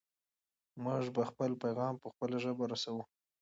موږ به خپل پیغام په خپله ژبه رسوو.